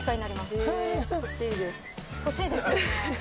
欲しいですよね。